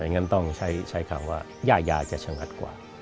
งั้นต้องใช้คำว่าย่ายาจะชะงัดกว่า